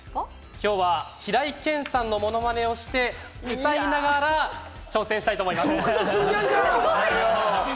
きょうは平井堅さんのものまねをして、歌いながら挑戦したいと思います。